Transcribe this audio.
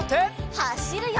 はしるよ！